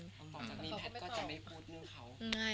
อ๋อจากนี้แพทย์ก็จะไม่พูดถึงเขา